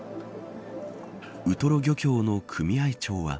ウトロ漁協の組合長は。